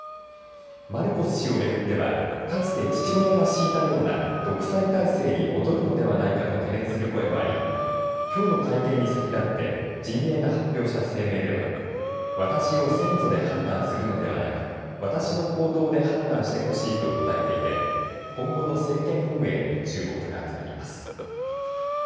マルコス氏をめぐってはかつて父親が敷いたような独裁体制に戻るのではないかと懸念する声もありきょうの会見に先立って陣営が発表した声明では私を先祖で判断するのではなく私の行動で判断してほしいと訴えていて今後の政権運営に注目が集まります。